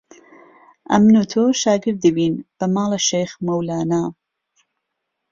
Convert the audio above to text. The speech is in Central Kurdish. ئەمن و تۆ شاگردی وین بە ماڵە شێخ مەولانە